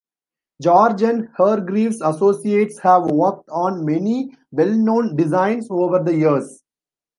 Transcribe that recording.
George and Hargreaves Associates have worked on many well known designs over the years.